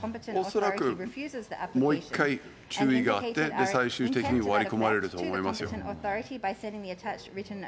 恐らく、もう一回、注意があって、最終的に割り込まれると思いますよ。